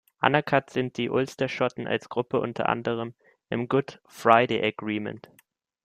Anerkannt sind die Ulster-Schotten als Gruppe unter anderem im Good Friday Agreement.